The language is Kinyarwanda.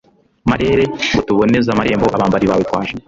marere, ngo tuboneze amarembo, abambari bawe twaje